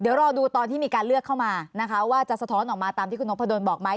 เดี๋ยวรอดูตอนที่มีการเลือกเข้ามานะคะว่าจะสะท้อนออกมาตามที่คุณนพดลบอกไหม